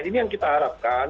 ini yang kita harapkan